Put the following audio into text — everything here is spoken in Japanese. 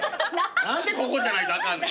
何でここじゃないとあかんの？